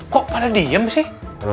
kok pada diem sih